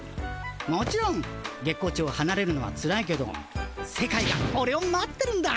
もちろん月光町をはなれるのはつらいけど世界がオレを待ってるんだ。